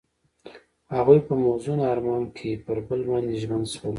هغوی په موزون آرمان کې پر بل باندې ژمن شول.